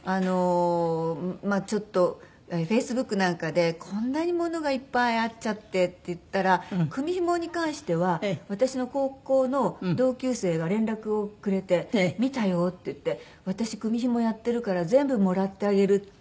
まあちょっとＦａｃｅｂｏｏｋなんかでこんなにものがいっぱいあっちゃってっていったら組紐に関しては私の高校の同級生が連絡をくれて「見たよ」って言って「私組紐やってるから全部もらってあげる」って。